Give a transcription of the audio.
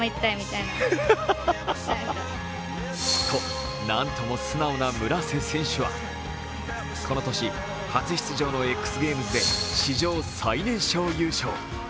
と、なんとも素直な村瀬選手はこの年、初出場のＸＧａｍｅｓで史上最年少優勝。